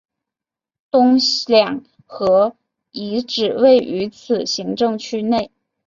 东两河遗址位于此行政区内。